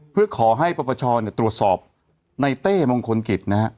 เพื่อขอให้ประชาติตรวจสอบในเต้มงคลกิจ